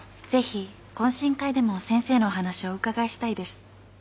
ぜひ懇親会でも先生のお話お伺いしたいです。